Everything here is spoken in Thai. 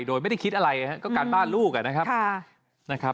โดยไม่ได้คิดอะไรก็การบ้านลูก